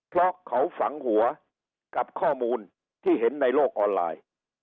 เพราะเขาฝังหัวกับข้อมูลที่เห็นในโลกออนไลน์